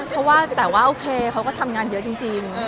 เขาว่าแต่ว่าโอเคเขาก็ทำงานเยอะจริง